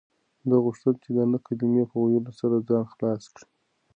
ده غوښتل چې د نه کلمې په ویلو سره ځان خلاص کړي.